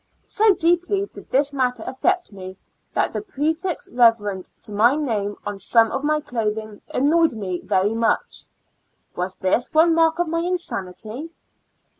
So deeply did this matter afiect me that the prefix Kev. to my name on some of my clothing annoyed me very much. Was this one mark of my insanity